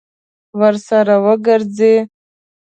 ورسره وګرځي.